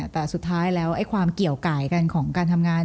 แต่สุดท้ายแล้วความเกี่ยวกายกันของการทำงาน